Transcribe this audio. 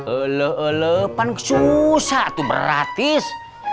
oloh oloh pan susah tuh berat tis